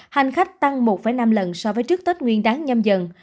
hành khách tăng một năm lần so với trước tết nguyên đáng nhâm dần